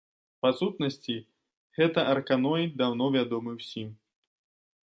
Па сутнасці гэта арканоід, даўно вядомы ўсім.